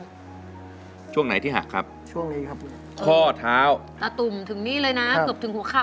บ๊วยบ๊วยบ๊วยช่วงไหนที่หักครับ